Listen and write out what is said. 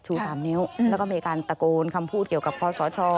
๓นิ้วแล้วก็มีการตะโกนคำพูดเกี่ยวกับคอสช